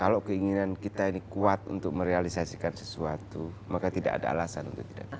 kalau keinginan kita ini kuat untuk merealisasikan sesuatu maka tidak ada alasan untuk tidak bisa